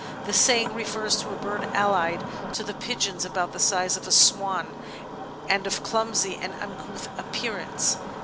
The saying refers to a bird allied to the Pigeons, about the size of a Swan, and of clumsy and uncouth appearance.